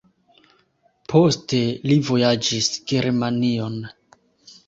Poste li vojaĝis Germanion.